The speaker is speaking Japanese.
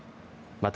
また、